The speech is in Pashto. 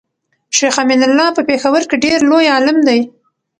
شيخ امين الله په پيښور کي ډير لوي عالم دی